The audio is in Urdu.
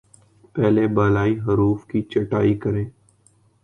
پہلے بالائی حروف کی چھٹائی کریں